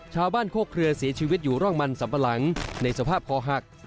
โคเครือเสียชีวิตอยู่ร่องมันสัมปะหลังในสภาพคอหัก